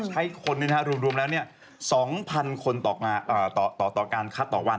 ใช้คนรวมแล้ว๒๐๐๐คนต่อการคัดต่อวัน